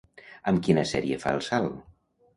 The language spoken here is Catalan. Amb quina sèrie fa el salt?